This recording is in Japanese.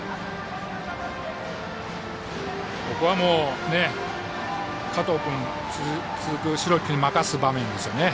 ここはもう加藤君に続く代木君に任せる場面ですよね。